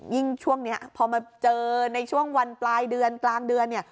ช่วงนี้พอมาเจอในช่วงวันปลายเดือนกลางเดือนเนี่ย